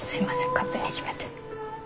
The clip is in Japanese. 勝手に決めて。